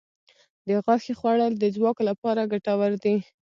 د غوښې خوړل د ځواک لپاره ګټور دي.